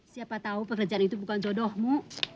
siapa tahu pekerjaan itu bukan jodohmu